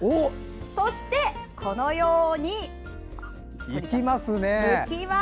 そして、このようにむきます！